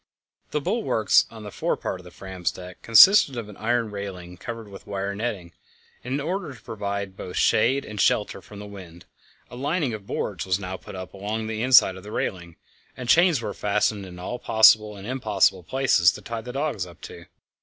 The bulwarks on the fore part of the Fram's deck consisted of an iron railing covered with wire netting. In order to provide both shade and shelter from the wind, a lining of boards was now put up along the inside of the railing, and chains were fastened in all possible and impossible places to tie the dogs up to.